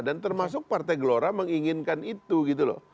dan termasuk partai gelora menginginkan itu gitu loh